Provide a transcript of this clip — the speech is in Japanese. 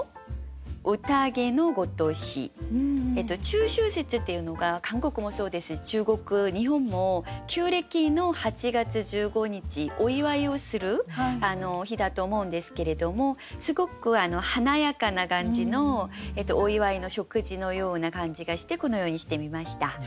「中秋節」っていうのが韓国もそうですし中国日本も旧暦の８月１５日お祝いをする日だと思うんですけれどもすごく華やかな感じのお祝いの食事のような感じがしてこのようにしてみました。